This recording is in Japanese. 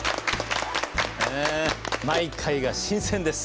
毎回が新鮮です！